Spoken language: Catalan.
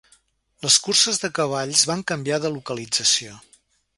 Les curses de cavalls van canviar de localització.